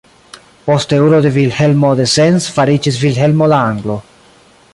Posteulo de Vilhelmo de Sens fariĝis Vilhelmo la Anglo.